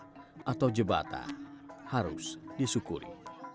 bapak ibu bata harus disyukuri